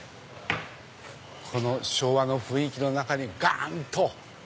この昭和の雰囲気の中にガン！と。